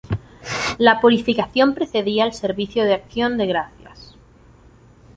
La purificación precedía al servicio de acción de gracias.